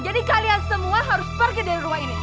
jadi kalian semua harus pergi dari rumah ini